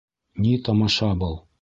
Ни тамаша был?